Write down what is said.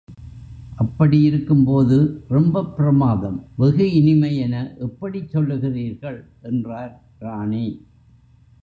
அப்படியிருக்கும்போது ரொம்பப்பிரமாதம் வெகு இனிமை என எப்படிச் சொல்லுகிறீர்கள்? என்றார் ராணி.